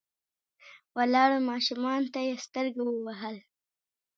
ولاړو ماشومانو ته يې سترګه ووهله.